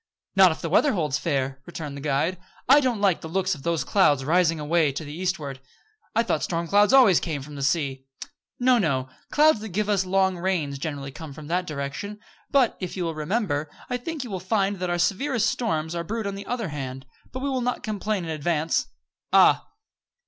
"Not if the weather holds fair," returned the guide. "I don't like the looks of those clouds rising away to the eastward." "I thought storm clouds always came from the sea." "No, no. Clouds that give us long rains generally come from that direction; but, if you will remember, I think you will find that our severest storms are brewed on the other hand. But we will not complain in advance. Ah!"